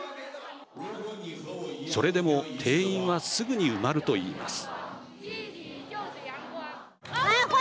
それでも定員はすぐに埋まるといいます。